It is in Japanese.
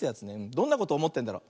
どんなことおもってんだろう。